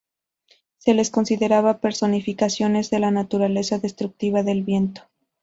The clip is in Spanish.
Se las consideraba personificaciones de la naturaleza destructiva del viento.